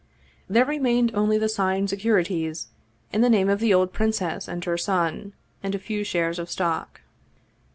There remained only the signed securities in the name of the old princess and her son, and a few shares of stock.